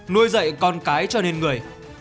nuôi dạy con cái cho nên người